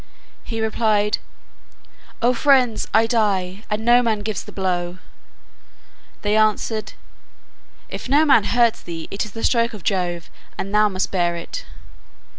He replied, "O friends, I die, and Noman gives the blow." They answered, "If no man hurts thee it is the stroke of Jove, and thou must bear it."